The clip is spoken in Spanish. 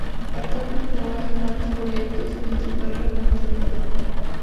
Actualmente trabaja en varios proyectos y en su carrera como solista.